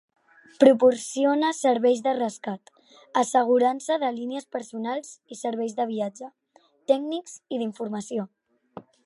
Proporciona serveis de rescat, assegurança de línies personals i serveis de viatge, tècnics i d'informació.